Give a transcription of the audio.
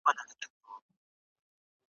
وېره حق ده خو له چا؟ ,